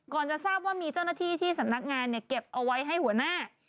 จะทราบว่ามีเจ้าหน้าที่ที่สำนักงานเก็บเอาไว้ให้หัวหน้า